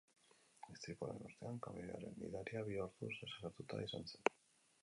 Istripuaren ostean, kamioiaren gidaria bi orduz desagertuta izan zen.